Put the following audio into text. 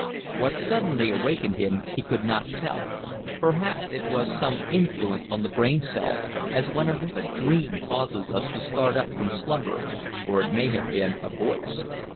What suddenly awakened him he could not tell. Perhaps it was some influence on the brain cells, as when a vivid dream causes us to start up from slumber, or it may have been a voice.